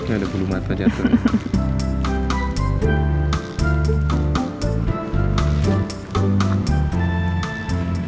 ya udah bulu mata jatuh ya